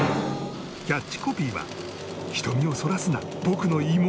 キャッチコピーは「瞳をそらすな僕の妹」